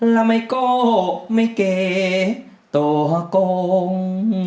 แล้วไม่โก้ไม่เก๋ตัวกง